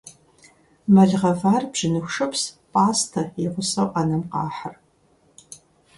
Мэл гъэвар бжьыныху шыпс, пӀастэ и гъусэу Ӏэнэм къахьыр.